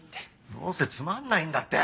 どうせつまんないんだって。